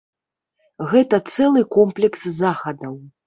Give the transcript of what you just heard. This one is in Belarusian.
Гэта цэлы комплекс захадаў.